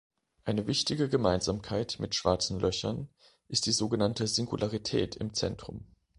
Eine wichtige Gemeinsamkeit mit Schwarzen Löchern ist die sogenannte Singularität im Zentrum.